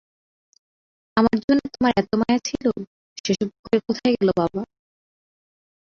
আমার জন্যে তোমার এত মায়া ছিল সেসব কোথায় গেল বাবা?